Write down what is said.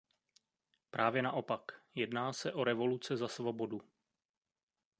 Právě naopak, jedná se o revoluce za svobodu.